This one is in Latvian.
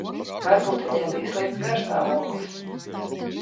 Varbūt viņai bija slikts garastāvoklis.